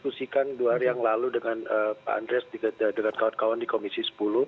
itu bagian yang kita diskusikan dua hari yang lalu dengan pak andreas dengan kawan kawan di komisi sepuluh